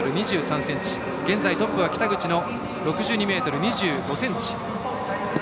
現在トップは北口の６２ｍ２５ｃｍ。